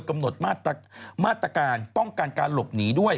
กำหนดมาตรการป้องกันการหลบหนีด้วย